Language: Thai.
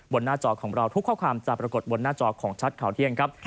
หน้าจอของเราทุกข้อความจะปรากฏบนหน้าจอของชัดข่าวเที่ยงครับ